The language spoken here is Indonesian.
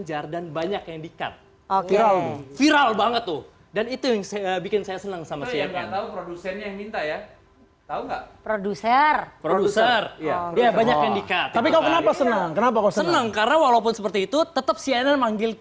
jangan jangan bukan rahasia dong